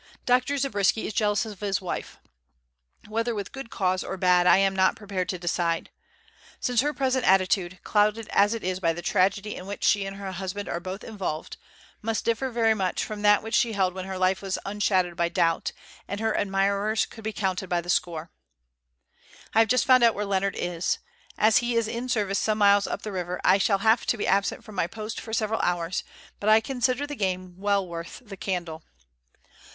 Dr. Zabriskie is jealous of his wife; whether with good cause or bad I am not prepared to decide; since her present attitude, clouded as it is by the tragedy in which she and her husband are both involved, must differ very much from that which she held when her life was unshadowed by doubt, and her admirers could be counted by the score. I have just found out where Leonard is. As he is in service some miles up the river, I shall have to be absent from my post for several hours, but I consider the game well worth the candle.